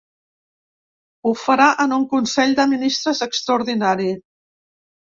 Ho farà en un consell de ministres extraordinari.